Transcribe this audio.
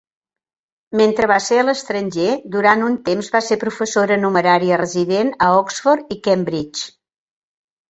Mentre va ser a l'estranger, durant un temps va ser professora numerària resident a Oxford i Cambridge.